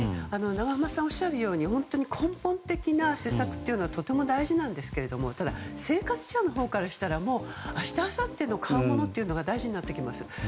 永濱さんがおっしゃるように本当に根本的な施策というのはとても大事なんですけどただ、生活者のほうからしたら明日、あさって買うものが大事になりますから。